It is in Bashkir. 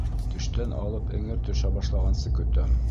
Төштән алып эңер төшә башлағансы көтәм.